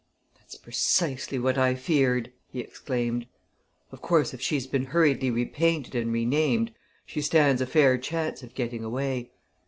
"That's precisely what I feared!" he exclaimed. "Of course, if she's been hurriedly repainted and renamed, she stands a fair chance of getting away.